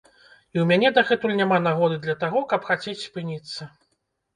І ў мяне дагэтуль няма нагоды для таго, каб хацець спыніцца.